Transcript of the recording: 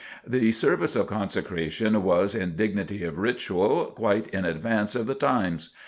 The service of Consecration was, in dignity of ritual, quite in advance of the times.